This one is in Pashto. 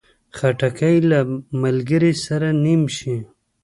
خټکی له ملګري سره نیم شي.